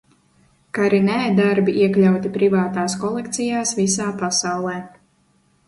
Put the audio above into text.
Karinē darbi iekļauti privātās kolekcijās visā pasaulē.